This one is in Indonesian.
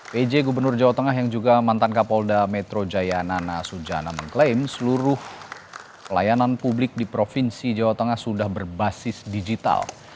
pj gubernur jawa tengah yang juga mantan kapolda metro jaya nana sujana mengklaim seluruh layanan publik di provinsi jawa tengah sudah berbasis digital